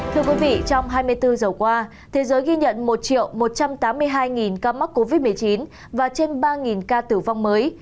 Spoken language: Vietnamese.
thưa quý vị trong hai mươi bốn giờ qua thế giới ghi nhận một một trăm tám mươi hai ca mắc covid một mươi chín và trên ba ca tử vong mới